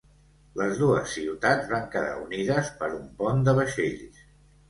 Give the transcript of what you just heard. Les dues ciutats van quedar unides per un pont de vaixells.